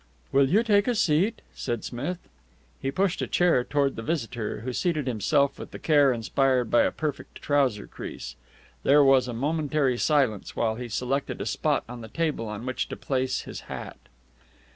"Will you take a seat?" said Smith. He pushed a chair toward the visitor, who seated himself with the care inspired by a perfect trouser crease. There was a momentary silence while he selected a spot on the table on which to place his hat.